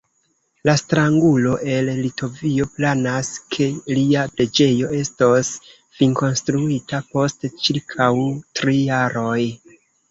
La strangulo el Litovio planas, ke lia preĝejo estos finkonstruita post ĉirkaŭ tri jaroj.